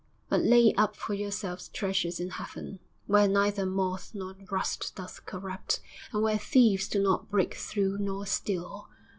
But lay up for yourselves treasures in heaven, where neither moth nor rust doth corrupt, and where thieves do not break through nor steal."'